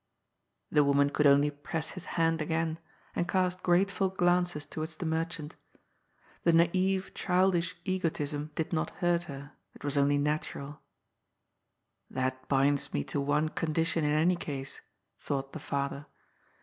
The woman could only press his hand again, and cast 54 GOD'S FOOL. grateful glances towards the merchant. The naive, child ish egotism did not hurt her ; it was only natural. '^ That binds me to one condition in any case," thought the father.